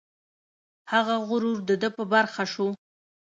هغه غرور د ده په برخه شو.